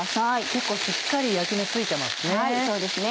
結構しっかり焼き目ついてますね。